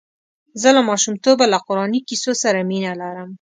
زه له ماشومتوبه له قراني کیسو سره مینه لرم.